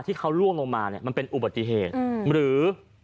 ที่เขาล่วงลงมาเนี่ยมันเป็นอุบัติเหตุหรือ